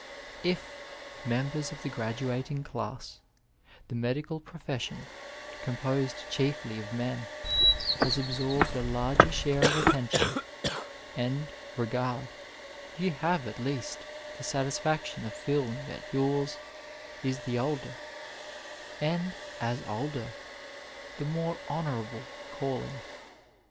If, Members of the Graduating Class, the medical pro fession, composed chiefly of men, has absorbed a larger share of attention and regard, you have, at least, the satisfaction of feeling that yours is the older, and, as older, the more honourable calling.